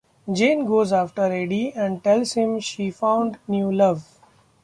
Jane goes after Eddie and tells him she found new love.